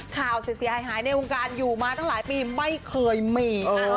ข่าวเสียหายในวงการอยู่มาตั้งหลายปีไม่เคยมี